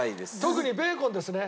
特にベーコンですね。